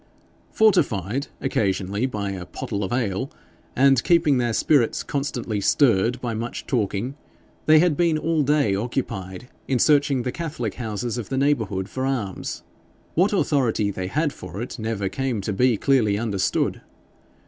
Fortified occasionally by a pottle of ale, and keeping their spirits constantly stirred by much talking, they had been all day occupied in searching the Catholic houses of the neighbourhood for arms. What authority they had for it never came to be clearly understood.